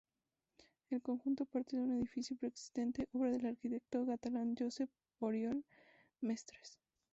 El conjunto parte de un edificio preexistente, obra del arquitecto catalán Josep Oriol Mestres.